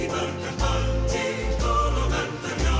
mars partai golkar